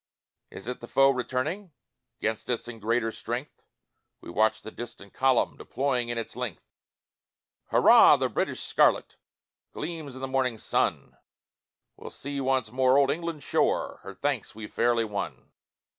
Is it the foe returning, 'Gainst us in greater strength? We watched the distant column Deploying in its length: Hurrah the British scarlet Gleams in the morning sun We'll see once more old England's shore, Her thanks we've fairly won.